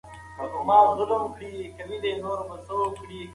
د ټولنیزو تجربو له زده کړې مه تېښته.